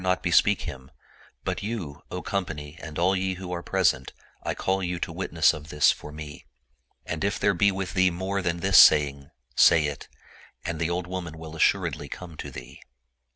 not bespeak him ; but you, O company and all ye who are present, I call you to witness of this for me. And 102 The Cunning Crone if there be with thee more than this sayittg, say it ; and the old woman will assuredly come to thee."